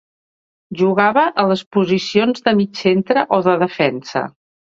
Jugava a les posicions de mig centre o de defensa.